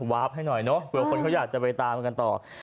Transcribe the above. วาฟให้หน่อยเนอะเผื่อคนเขาอยากจะไปตามกันต่อ